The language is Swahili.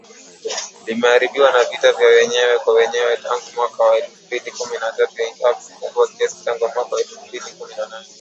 Limeharibiwa na vita vya wenyewe kwa wenyewe, tangu mwaka wa elfu mbili kumi na tatu ingawa vimepungua kasi tangu mwaka elfu mbili kumi nane